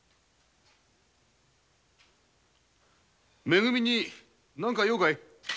め組に何か用かい？